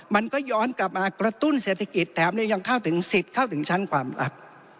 มันก็ย้อนกลับมากระตุ้นเศรษฐกิจแถมยังเข้าถึงสิทธิ์เข้าถึงชั้นความลับ